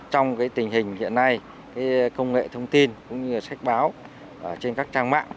trong tình hình hiện nay công nghệ thông tin cũng như sách báo trên các trang mạng